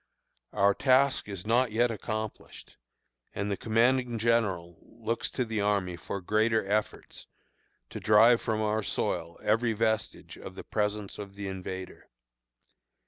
Our task is not yet accomplished, and the commanding general looks to the army for greater efforts, to drive from our soil every vestige of the presence of the invader.